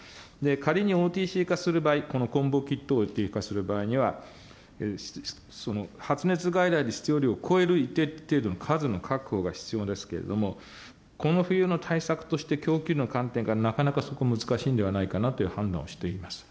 仮にＯＴＣ化する場合、このコンボキットを含む場合には発熱外来の必要量を超える一定程度の数の確保が必要ですけれども、この冬の対策として供給の観点からなかなかそこ、難しいんではないかと判断をしております。